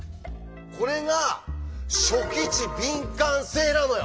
これが初期値敏感性なのよ！